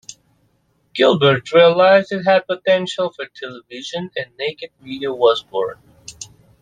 Gilbert realised it had potential for television and "Naked Video" was born.